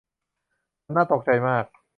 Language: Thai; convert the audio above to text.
มันน่าตกใจมาก